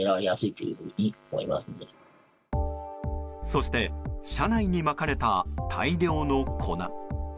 そして車内にまかれた大量の粉。